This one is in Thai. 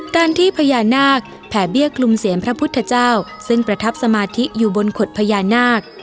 การที่พญานาคแผ่เบี้ยคลุมเสียงพระพุทธเจ้าซึ่งประทับสมาธิอยู่บนขดพญานาค